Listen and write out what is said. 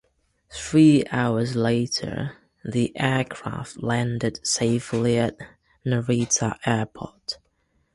Three hours later, the aircraft landed safely at Narita airport.